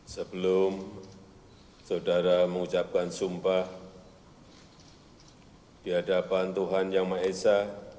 sebelum saudara mengucapkan sumpah di hadapan tuhan yang maha esa